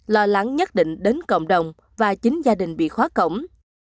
lo lắng nhất định đến cộng đồng và chính gia đình bị khóa cổng